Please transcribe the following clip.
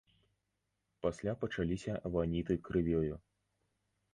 Пасля пачаліся ваніты крывёю.